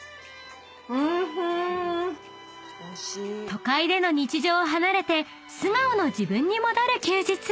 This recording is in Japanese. ［都会での日常を離れて素顔の自分に戻る休日］